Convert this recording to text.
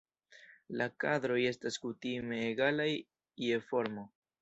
La kadroj estas kutime egalaj je formo.